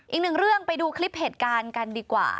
อีกหนึ่งเรื่องไปดูคลิปเหตุการณ์กันดีกว่า